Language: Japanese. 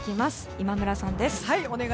今村さんです。